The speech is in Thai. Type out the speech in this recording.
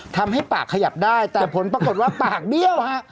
ทำให้ปากขยับได้แต่ผลปรากฏว่าปากเบี้ยวฮะ